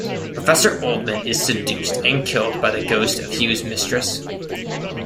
Professor Oldman is seduced and killed by the ghost of Hugh's mistress.